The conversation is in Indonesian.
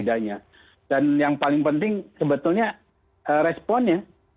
dan yang paling penting sebetulnya responnya